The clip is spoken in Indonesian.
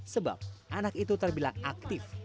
sebab anak itu terbilang aktif